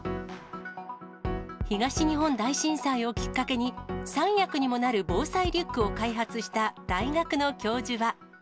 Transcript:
東日本大震災をきっかけに、３役にもなる防災リュックを開発した大学の教授は。